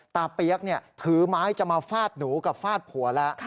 เปี๊ยกถือไม้จะมาฟาดหนูกับฟาดผัวแล้ว